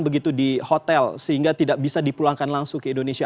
begitu di hotel sehingga tidak bisa dipulangkan langsung ke indonesia